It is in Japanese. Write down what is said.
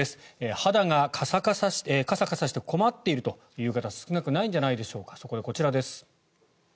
肌がカサカサして困っているという方少なくないんじゃないでしょうかそこでこちらです。